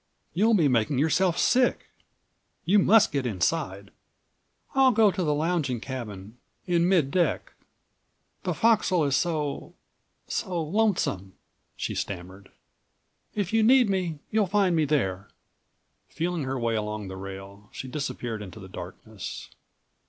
"You'll be making yourself sick. You must get inside!" "I'll go to the lounging cabin in mid deck. The forecastle is so—so lonesome," she stammered. "If you need me, you'll find me there." Feeling her way along the rail, she disappeared into the darkness.